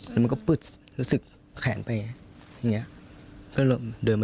จอดตรงป้ายครับผม